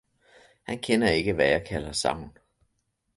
Han kender ikke hvad jeg kalder savn